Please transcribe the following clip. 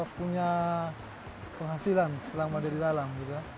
punya penghasilan selama dia di dalam